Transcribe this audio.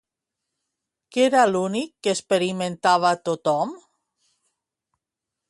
Què era l'únic que experimentava tothom?